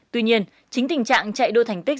tuy nhiên chính tình trạng chạy đôi thành tích